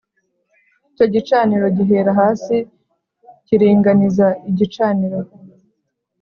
icyo gicaniro gihera hasi kiringaniza igicaniro